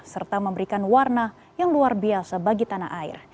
serta memberikan warna yang luar biasa bagi tanah air